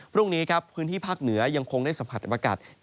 พรุ่งนี้ครับพื้นที่ภาคเหนือยังคงได้สัมผัสอากาศ